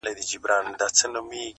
که نسيم الوزي اِېرې اوروي!